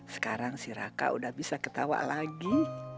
sekarang si raka udah bisa ketawa lagi